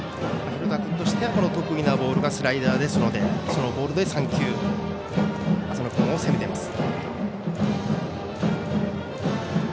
廣田君としては得意なスライダーですのでそのボールで３球浅野君を攻めています。